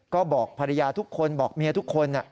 ก็บอกภรรยาทุกคนบอกเมียทุกคน